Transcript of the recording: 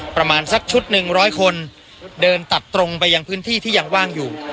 ประมาณสักชุดหนึ่งร้อยคนเดินตัดตรงไปยังพื้นที่ที่ยังว่างอยู่